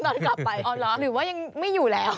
กลับไปหรือว่ายังไม่อยู่แล้ว